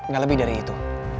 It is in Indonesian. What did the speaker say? gak lebih dari itu